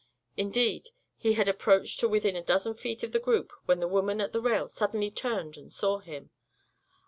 Indeed, he had approached to within a dozen feet of the group when the woman at the rail suddenly turned and saw him.